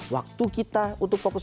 waktu kita untuk fokus